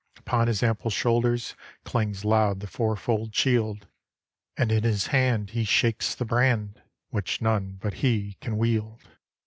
Upon his ample shoulders Clangs loud the fourfold shield, And in his hand he shakes the brand Which none but he can wield.